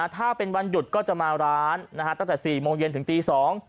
ถ้าเป็นวันหยุดก็จะมาร้านตั้งแต่๔โมงเย็นถึงตี๒